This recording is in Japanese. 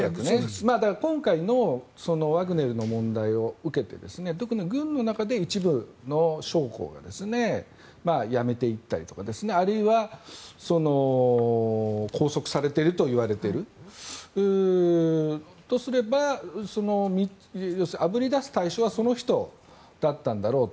だから今回のワグネルの問題を受けて特に軍の中で一部の将校が辞めていったりあるいは拘束されているといわれているとすればあぶり出す対象はその人だったんだろうと。